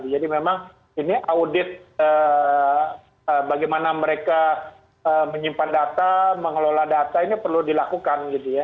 jadi memang ini audit bagaimana mereka menyimpan data mengelola data ini perlu dilakukan